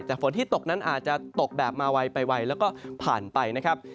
แต่ฝนที่ตกนั้นอาจจะตกแบบมาไวไปไวแล้วก็ผ่านไปนะครับ